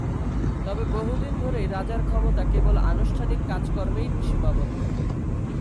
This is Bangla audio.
তবে বহুদিন ধরেই রাজার ক্ষমতা কেবল আনুষ্ঠানিক কাজ-কর্মেই সীমাবদ্ধ।